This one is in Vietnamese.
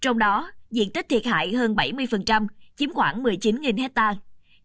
trong đó diện tích thiệt hại hơn bảy mươi chiếm khoảng một mươi chín hectare